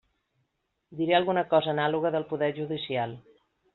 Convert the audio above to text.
Diré alguna cosa anàloga del poder judicial.